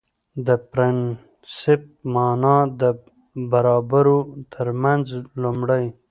د پرنسېپ معنا ده برابرو ترمنځ لومړی